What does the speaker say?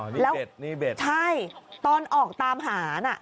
อ๋อนี่เบ็ดนี่เบ็ดใช่ตอนออกตามหา